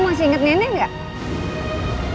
masih inget nenek gak